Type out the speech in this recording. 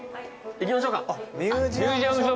行きましょうか。